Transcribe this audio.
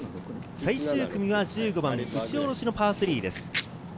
最終組は１５番、打ち下ろしのパー３です。